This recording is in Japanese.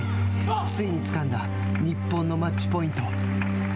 ついにつかんだ日本のマッチポイント。